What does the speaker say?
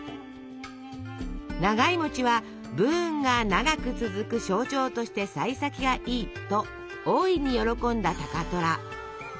長いは「武運が長く続く象徴としてさい先がいい」と大いに喜んだ高虎。